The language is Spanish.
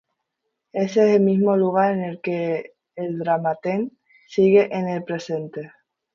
Ese es el mismo lugar en el que el Dramaten sigue en el presente.